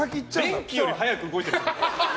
電気より早く動いてるの？